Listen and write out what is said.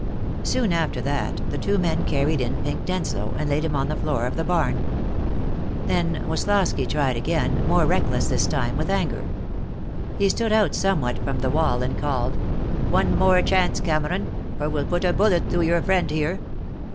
Soon after that the two men carried in Pink Denslow, and laid him on the floor of the barn. Then Woslosky tried again, more reckless this time with anger. He stood out somewhat from the wall and called: "One more chance, Cameron, or we'll put a bullet through your friend here.